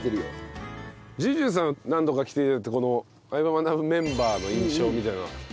ＪＵＪＵさん何度か来て頂いてこの『相葉マナブ』メンバーの印象みたいなのは。